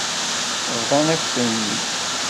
Bḍan-akent-ten-id.